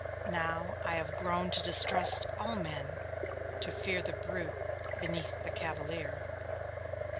Now, I have grown to distrust all men to fear the brute beneath the cavalier....'